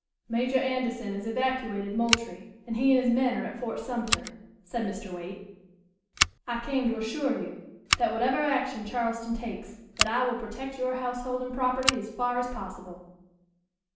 "Major Anderson has evacuated Moultrie, and he and his men are at Fort Sumter," said Mr. Waite. "I came to assure you that whatever action Charleston takes that I will protect your household and property as far as possible."